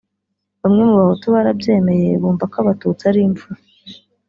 bamwe mu bahutu barabyemeye bumva ko abatutsi ari imfura